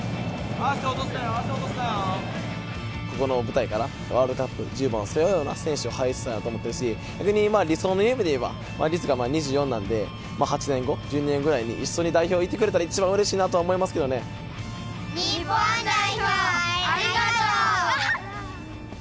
ここの舞台からワールドカップ、１０番を背負うような選手を輩出したいなと思ってるし、理想の夢でいえば、律がなんで８年後、１２年ぐらいに一緒に代表いってくれたらうれしいなと思いますけ日本代表ありがとう！